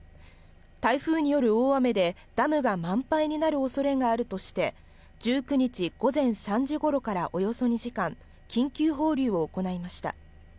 台風による大雨でダムが満杯になる恐れがあるとして、１９日午前３時頃からおよそ２時間、緊急放流を行いました。